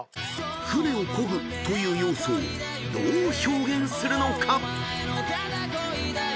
［「船を漕ぐ」という要素をどう表現するのか］